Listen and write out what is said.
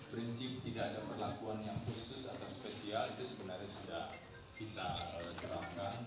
prinsip tidak ada perlakuan yang khusus atau spesial itu sebenarnya sudah kita terapkan